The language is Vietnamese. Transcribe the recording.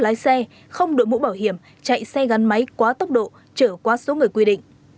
lái xe không đội mũ bảo hiểm chạy xe gắn máy quá tốc độ trở qua số người quy định